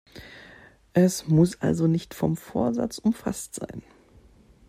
Es muss also nicht vom Vorsatz umfasst sein.